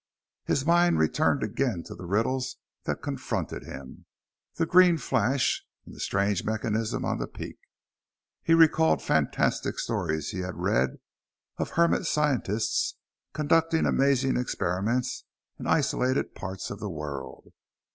His mind returned again to the riddles that confronted him: the green flash and the strange mechanism on the peak. He recalled fantastic stories he had read, of hermit scientists conducting amazing experiments in isolated parts of the world.